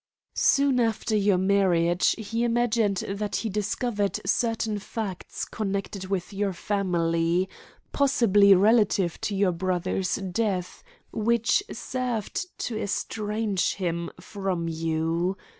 "Soon after your marriage he imagined that he discovered certain facts connected with your family possibly relative to your brother's death which served to estrange him from you.